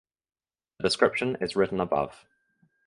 The description is written above.